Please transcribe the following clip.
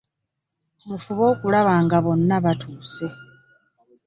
Mufube okulaba nga bonna bakkuse.